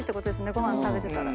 ご飯食べてたら。